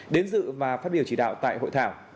đến dự và phát biểu chỉ đạo tại hội thảo